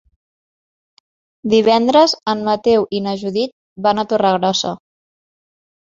Divendres en Mateu i na Judit van a Torregrossa.